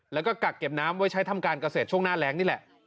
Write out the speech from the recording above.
แล้วก็กักเก็บน้ำไว้ใช้ทำการเกษตรช่วงหน้าแรงนี่แหละ